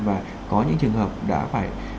và có những trường hợp đã phải